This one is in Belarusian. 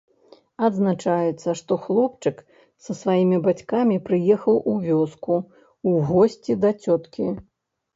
Адзначаецца, што хлопчык са сваімі бацькамі прыехаў у вёску ў госці да цёткі.